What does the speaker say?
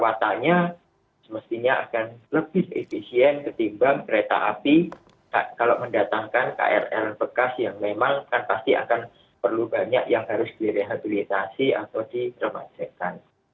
faktanya semestinya akan lebih efisien ketimbang kereta api kalau mendatangkan krl bekas yang memang kan pasti akan perlu banyak yang harus direhabilitasi atau diremajekkan